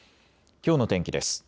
きょうの天気です。